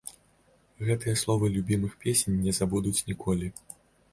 Гэтыя словы любімых песень не забудуць ніколі!